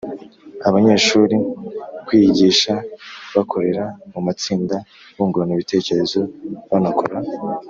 abanyeshuri kwiyigisha bakorera mu matsinda, bungurana ibitekerezo banakora